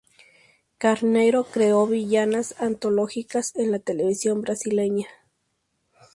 Carneiro creó villanas antológicas en la televisión brasileña.